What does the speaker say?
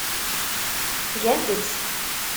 Gant-t.